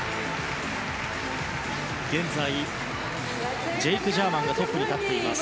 現在、ジェイク・ジャーマンがトップに立っています。